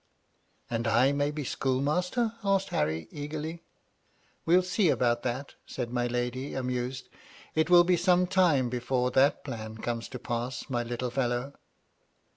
"And I may be schoolmaster?" asked Harry, eagerly. MY LADY LUDLOW. . 289 " We'll see about that," said my lady, amused. ^' It will be some time before that plan comes to pass, my little fellow."